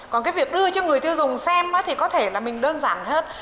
còn cái việc đưa cho người tiêu dùng xem thì có thể là mình đơn giản hơn